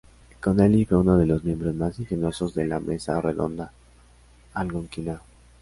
Connelly fue uno de los miembros más ingeniosos de la Mesa Redonda Algonquina.